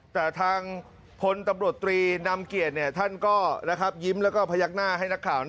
แต่ทางพลตำรวจตรีนำเกียรติท่านก็ยิ้มแล้วก็พยักหน้าให้นักข่าว